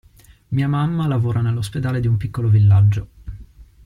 Mia mamma lavora nell'ospedale di un piccolo villaggio.